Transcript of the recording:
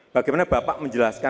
bagaimana bapak menjelaskan